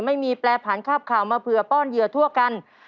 ไม่มีแปรผันคาบข่าวมาเผื่อป้อนเหยื่อทั่วกัน